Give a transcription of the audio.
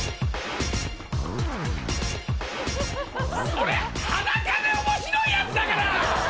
それ裸で面白いやつだから！